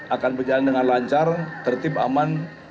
akan berjalan dengan lancar tertib aman